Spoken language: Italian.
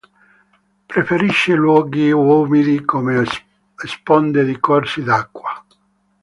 Preferisce luoghi umidi come sponde di corsi d'acqua.